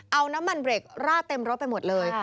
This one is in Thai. เอาน้ำมันเบรกราดเต็มรถไปหมดเลย